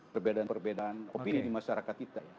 perbedaan perbedaan opini di masyarakat kita ya